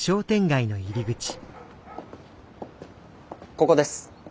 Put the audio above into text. ここです。